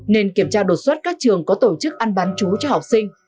nên kiểm tra đột xuất các trường có tổ chức ăn bán chú cho học sinh